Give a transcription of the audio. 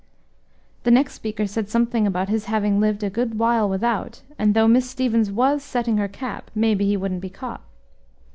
The next speaker said something about his having lived a good while without, and though Miss Stevens was setting her cap, maybe he wouldn't be caught.